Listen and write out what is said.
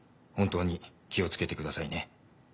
本当に気を付けてくださいね。